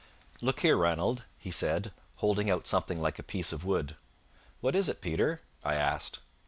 "Look here, Ranald," he said, holding out something like a piece of wood. "What is it, Peter?" I asked.